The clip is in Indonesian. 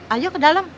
ayo ke dalam